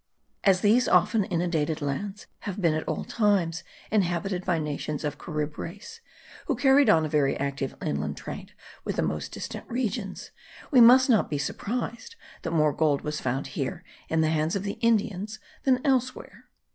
As these often inundated lands have been at all times inhabited by nations of Carib race, who carried on a very active inland trade with the most distant regions, we must not be surprised that more gold was found here in the hands of the Indians than elsewhere.